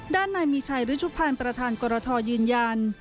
ด้านในมีชัยฤชุภาณประทานกรทอยืนยัน